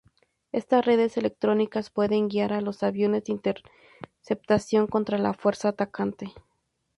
Estas redes electrónicas pueden guiar a los aviones de interceptación contra la fuerza atacante.